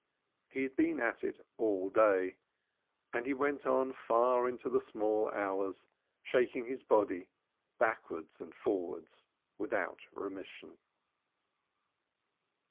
He had been at it all day, and he went on far into the small hours, shaking his body backwards and forwards without remission.